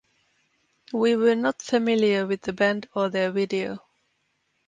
We were not familiar with the band or their video.